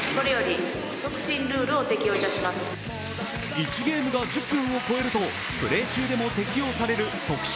１ゲームが１０分を超えるとプレー中でも適用される促進